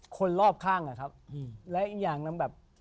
คนรอบข้างอะครับและอีกอย่างหนึ่งแบบ